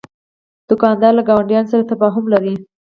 دوکاندار له ګاونډیانو سره تفاهم لري.